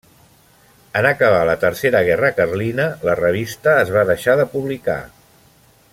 En acabar la tercera guerra carlina, la revista es va deixar de publicar.